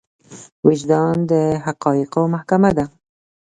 وجدان د حقايقو محکمه ده.